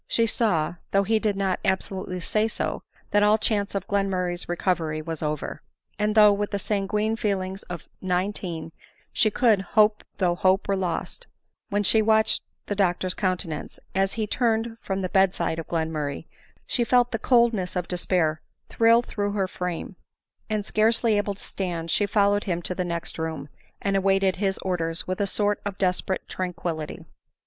She saw, though he did not absolutely say so, that all chance of Glenmurray's recovery was over ; and though with the sanguine feelings of nineteen she could " hope though hope were lost," when she watched Dr 's countenance as he turned from the bed side of Glenmurray, she felt the coldness of despair thrill through her frame ; and, scarcely able to stand, she fol lowed him into the next room, and awaited his orders with a sort of desperate tranquillity.